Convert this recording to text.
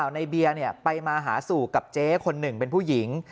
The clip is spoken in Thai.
ในเบียร์เนี่ยไปมาหาสู่เจ๊คนนึงเป็นผู้หญิง